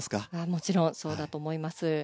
もちろんそうだと思います。